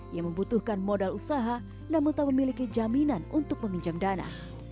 yang membutuhkan modal usaha namun tak memiliki jaminan untuk meminjam dana